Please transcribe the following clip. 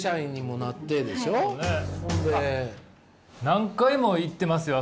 何回も行ってますよ！